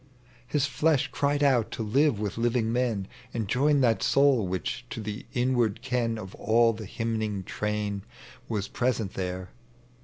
His flesh cried out to live with living men. And join that soul which to the inward ken ■Of all the hymning train was present there.